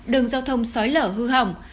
đường giao thông xói lở hư hỏng